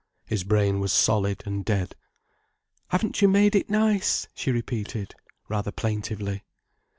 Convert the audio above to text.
His brain was solid and dead. "Haven't you made it nice?" she repeated, rather plaintively.